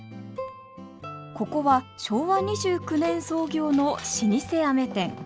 ここは昭和２９年創業の老舗店。